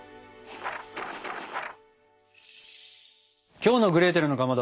きょうの「グレーテルのかまど」